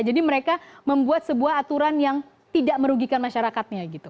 jadi mereka membuat sebuah aturan yang tidak merugikan masyarakatnya gitu